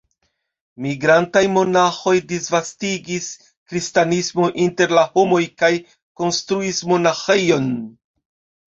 Migrantaj monaĥoj disvastigis kristanismon inter la homoj kaj konstruis monaĥejojn.